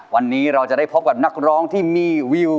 วันนี้เราจะได้พบกับนักร้องที่มีวิว